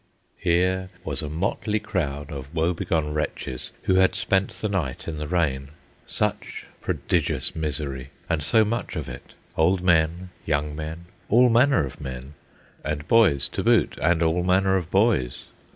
Here was a motley crowd of woebegone wretches who had spent the night in the rain. Such prodigious misery! and so much of it! Old men, young men, all manner of men, and boys to boot, and all manner of boys.